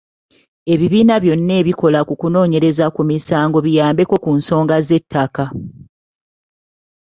Ebibiina byonna ebikola ku kunoonyereza ku misango biyambeko ku nsonga z'ettaka.